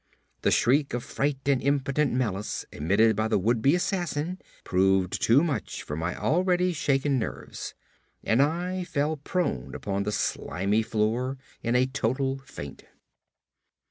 The shriek of fright and impotent malice emitted by the would be assassin proved too much for my already shaken nerves, and I fell prone upon the slimy floor in a total faint.